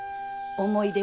思い出